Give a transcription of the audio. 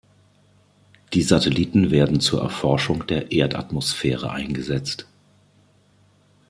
Die Satelliten werden zur Erforschung der Erdatmosphäre eingesetzt.